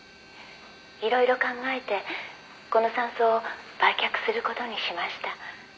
「いろいろ考えてこの山荘を売却する事にしました」